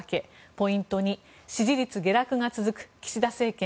ポイント２支持率下落が続く岸田政権。